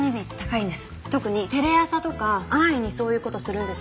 特にテレ朝とか安易にそういう事するんです。